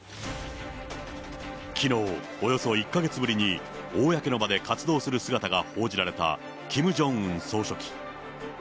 きのう、およそ１か月ぶりに公の場で活動する姿が報じられたキム・ジョンウン総書記。